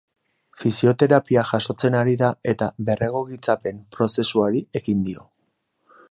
Fisioterapia jasotzen ari da eta berregokitzapen prozesuari ekin dio.